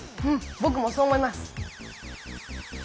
ぼくもそう思います。